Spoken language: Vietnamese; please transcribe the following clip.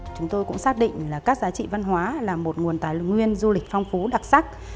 chúng tôi cũng xác định là các giá trị văn hóa là một nguồn tài nguyên du lịch phong phú đặc sắc